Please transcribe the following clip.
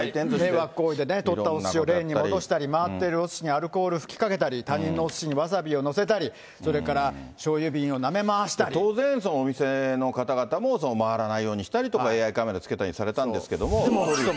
迷惑行為で取ったおすしをレーンに戻したり、回ってるおすしにアルコール吹きかけたり、他人のおすしにわさびを載せたり、それからしょうゆ瓶を当然、そのお店の方々も回らないようにしたりとか、ＡＩカメラをつけたりされたんですけども。